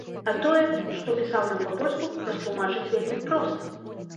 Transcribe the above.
А тое, што пісаў ён па-польску, растлумачыць вельмі проста.